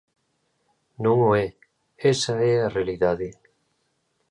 Non o é, esa é a realidade.